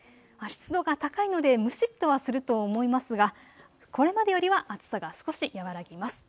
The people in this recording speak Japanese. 湿度が高いので蒸しっとはすると思いますが、これまでよりは暑さが少し和らぎます。